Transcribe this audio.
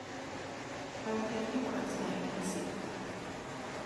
"I will have inquiries made," he said.